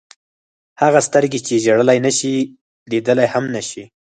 هغه سترګې چې ژړلی نه شي لیدلی هم نه شي.